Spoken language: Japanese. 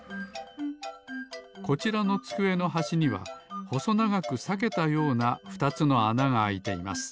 こちらのつくえのはしにはほそながくさけたような２つのあながあいています。